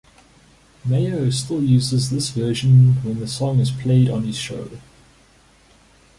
Mayo still uses this version when the song is played on his show.